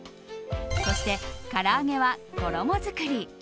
そして、から揚げは衣作り。